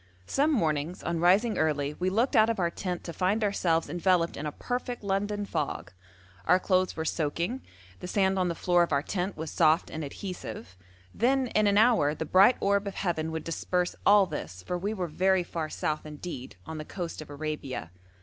Some mornings on rising early we looked out of our tent to find ourselves enveloped in a perfect London fog our clothes were soaking, the sand on the floor of our tent was soft and adhesive; then in an hour the bright orb of heaven would disperse all this, for we were very far south indeed, on the coast of Arabia.